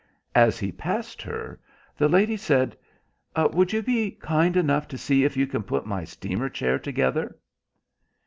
As he passed her, the lady said— "Would you be kind enough to see if you can put my steamer chair together?"